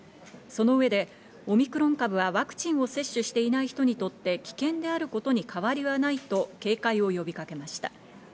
その上でオミクロン株はワクチンを接種していない人にとって危険であることに変わりはないと警戒を呼びかけました。